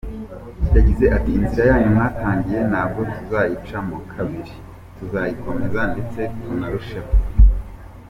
Yagize ati “Inzira yanyu mwatangiye ntabwo tuzayicamo kabiri, tuzayikomeza ndetse tunarusheho.